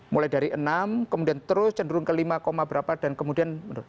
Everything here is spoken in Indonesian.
mulai dari enam kemudian terus cenderung ke lima berapa dan kemudian menurun